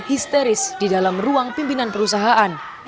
histeris di dalam ruang pimpinan perusahaan